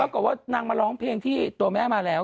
ปรากฏว่านางมาร้องเพลงที่ตัวแม่มาแล้ว